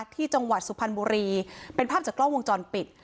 ที่จังหวัดสุพรรณบุรีเป็นภาพจากกล้องวงจรปิด